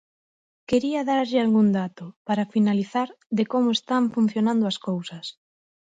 Quería darlle algún dato, para finalizar, de como están funcionando as cousas.